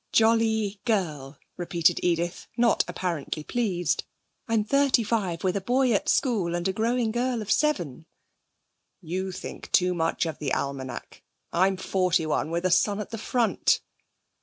'"Jolly" girl,' repeated Edith, not apparently pleased. 'I'm thirty five, with a boy at school and a growing girl of seven!' 'You think too much of the almanac. I'm forty one, with a son at the front.'